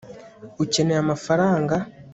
ukeneye amafaranga